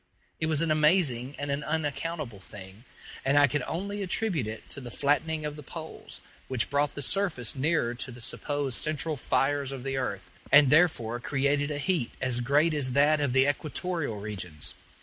It was an amazing and an unaccountable thing, and I could only attribute it to the flattening of the poles, which brought the surface nearer to the supposed central fires of the earth, and therefore created a heat as great as that of the equatorial regions.